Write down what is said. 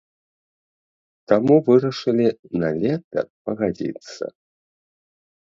Таму вырашылі на лета пагадзіцца.